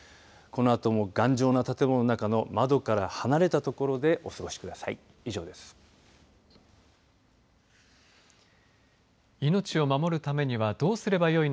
このあとも頑丈な建物の中の窓から離れた所でお過ごしください。